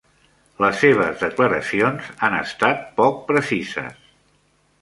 Les seves declaracions han estat poc precises.